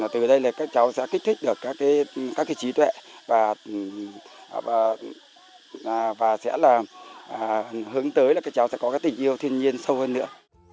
từ đây các cháu sẽ kích thích được các trí tuệ và hướng tới là các cháu sẽ có tình yêu thiên nhiên sâu hơn nữa